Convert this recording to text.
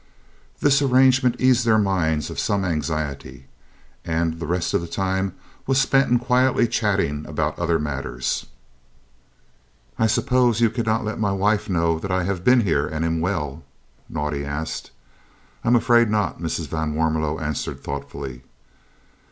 This arrangement eased their minds of some anxiety, and the rest of the time was spent in quietly chatting about other matters. "I suppose you cannot let my wife know that I have been here and am well?" Naudé asked. "I am afraid not," Mrs. van Warmelo answered thoughtfully.